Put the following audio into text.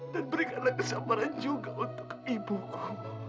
dan berikanlah kesabaran juga untuk ibuku